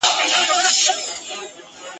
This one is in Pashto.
هسی نه چي را ته په قار یا لږ ترلږه خوابدي سي !.